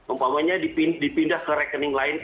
umpamanya dipindah ke rekening lain